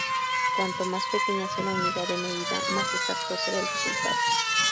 Cuanto más pequeña sea la unidad de medida más exacto será el resultado.